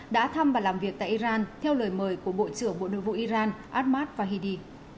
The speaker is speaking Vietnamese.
đã thăm và làm việc tại iran theo lời mời của bộ trưởng bộ nữ vụ iran ahmad fahidi